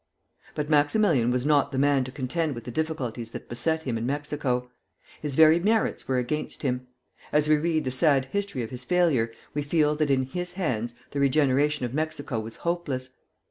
But Maximilian was not the man to contend with the difficulties that beset him in Mexico. His very merits were against him. As we read the sad history of his failure, we feel that in his hands the regeneration of Mexico was hopeless.